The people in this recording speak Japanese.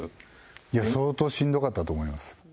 いや、相当しんどかったと思います。